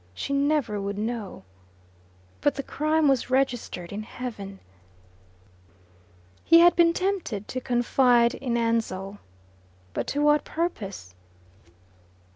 She never would know. But the crime was registered in heaven. He had been tempted to confide in Ansell. But to what purpose?